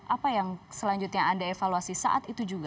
apa yang selanjutnya anda evaluasi saat itu juga